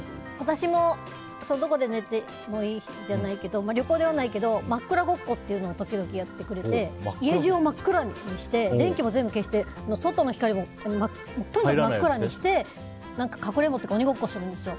どこで寝てもいいじゃないけど旅行ではないけど真っ暗ごっこというのは時々やってくれて家中を真っ暗にして電気も全部消して外の光も入らなくて真っ暗にしてかくれんぼとか鬼ごっこするんですよ。